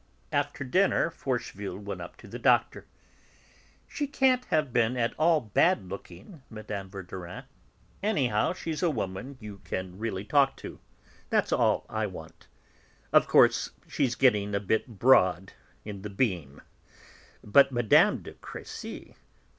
After dinner, Forcheville went up to the Doctor. "She can't have been at all bad looking, Mme. Verdurin; anyhow, she's a woman you can really talk to; that's all I want. Of course she's getting a bit broad in the beam. But Mme. de Crécy!